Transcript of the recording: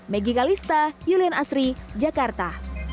meggy kalista yulian asri jakarta